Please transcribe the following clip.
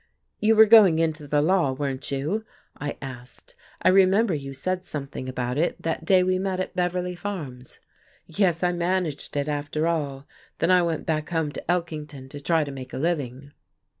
"You were going into the law, weren't you?" I asked. "I remember you said something about it that day we met at Beverly Farms." "Yes, I managed it, after all. Then I went back home to Elkington to try to make a living."